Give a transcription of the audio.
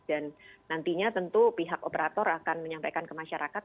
dan nantinya tentu pihak operator akan menyampaikan ke masyarakat